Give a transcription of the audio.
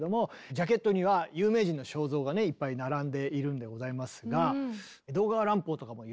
ジャケットには有名人の肖像がいっぱい並んでいるんでございますがエドガー・アラン・ポーとかもいるんだね。